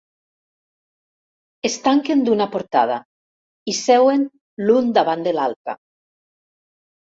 Es tanquen d'una portada i seuen l'un davant de l'altra.